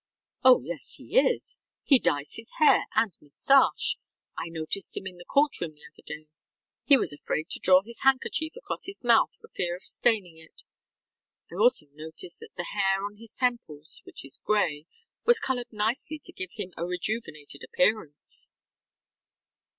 ŌĆ£Oh, yes he is! He dyes his hair and moustache. I noticed him in the court room the other day. He was afraid to draw his handkerchief across his mouth for fear of staining it. I also noticed that the hair on his temples, which is gray, was colored nicely to give him a rejuvenated appearance.